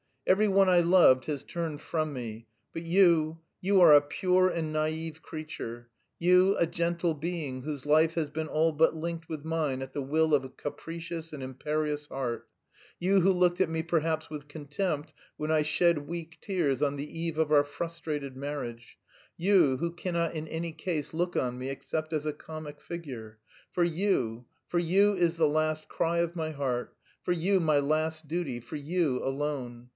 Every one I loved has turned from me. But you, you are a pure and naïve creature; you, a gentle being whose life has been all but linked with mine at the will of a capricious and imperious heart; you who looked at me perhaps with contempt when I shed weak tears on the eve of our frustrated marriage; you, who cannot in any case look on me except as a comic figure for you, for you is the last cry of my heart, for you my last duty, for you alone!